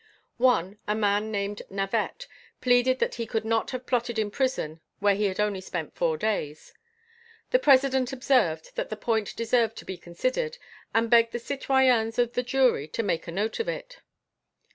One, a man named Navette, pleaded that he could not have plotted in prison where he had only spent four days. The President observed that the point deserved to be considered, and begged the citoyens of the jury to make a note of it.